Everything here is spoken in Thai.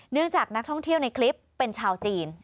จากนักท่องเที่ยวในคลิปเป็นชาวจีน